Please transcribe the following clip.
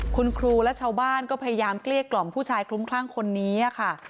คุณครูและชาวบ้านก็พยายามเกลี้ยกล่อมผู้ชายคลุ้มคลั่งคนนี้ค่ะ